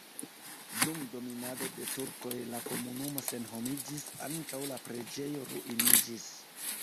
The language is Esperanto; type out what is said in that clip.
Dum dominado de turkoj la komunumo senhomiĝis, ankaŭ la preĝejo ruiniĝis.